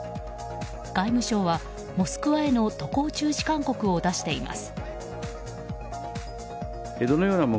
外務省はモスクワへの渡航中止勧告を出しています。